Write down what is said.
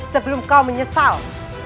sebelum kau menyesal